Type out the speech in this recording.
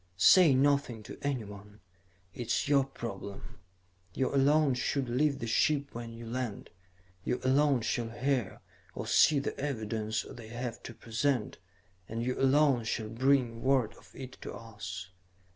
"Say nothing to anyone. It is your problem. You alone should leave the ship when you land; you alone shall hear or see the evidence they have to present, and you alone shall bring word of it to us.